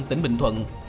tỉnh bình thuận